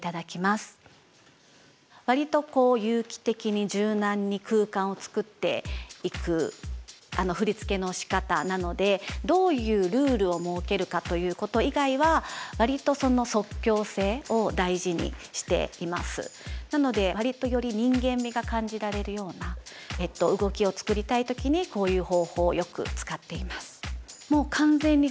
割とこう有機的に柔軟に空間を作っていく振付のしかたなのでなので割とより人間味が感じられるような動きを作りたい時にこういう方法をよく使っています。